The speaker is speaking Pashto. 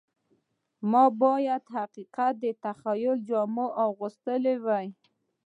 ما باید حقیقت ته د تخیل جامه اغوستې وای